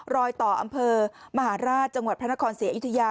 รอยต่ออำเภอมหาราชจังหวัดพระนครศรีอยุธยา